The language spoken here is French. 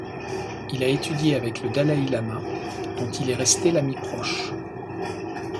Il a étudié avec le dalaï-lama, dont il est resté l'ami proche.